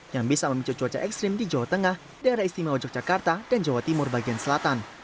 yang bisa memicu cuaca ekstrim di jawa tengah daerah istimewa yogyakarta dan jawa timur bagian selatan